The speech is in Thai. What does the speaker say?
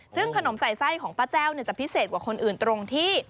ซึ่งขนมใส่ไส้ของป้าแจ้วจะพิเศษกว่าคนอื่นตรงที่